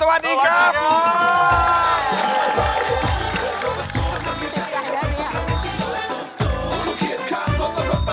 สวัสดีครับ